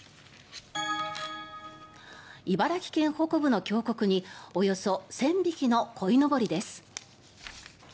茨城県北部の峡谷におよそ１０００匹のこいのぼりです。